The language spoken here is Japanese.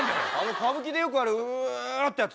歌舞伎でよくあるう！ってやつ。